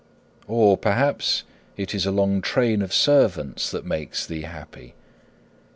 'Or perhaps it is a long train of servants that makes thee happy?